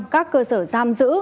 các cơ sở giam giữ